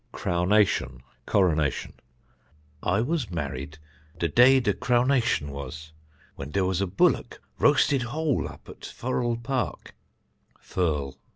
Crownation (Coronation): "I was married the day the Crownation was, when there was a bullock roasted whole up at Furrel [Firle] Park.